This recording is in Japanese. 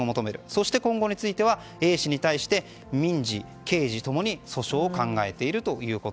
そして、今後についてはＡ氏に対して民事、刑事共に訴訟を考えていると。